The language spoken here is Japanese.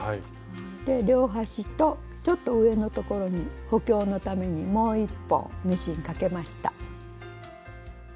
で両端とちょっと上のところに補強のためにもう一本ミシンかけました。